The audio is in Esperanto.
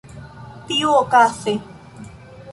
tiuokaze